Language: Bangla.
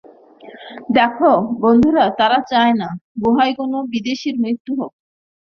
দেখো, বন্ধুরা, তারা চায় না গুহায় কোনো বিদেশীর মৃত্যু হোক।